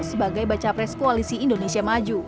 sebagai baca pres koalisi indonesia maju